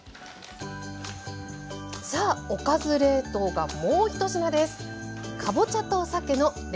さあ「おかず冷凍」がもう１品です。